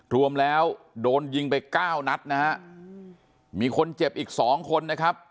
รวมแล้วโดนยิงไปเก้านัดนะฮะมีคนเจ็บอีกสองคนนะครับ